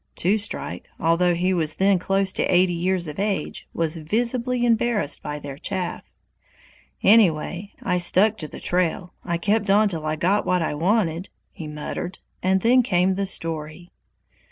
Two Strike, although he was then close to eighty years of age, was visibly embarrassed by their chaff. "Anyway, I stuck to the trail. I kept on till I got what I wanted," he muttered. And then came the story.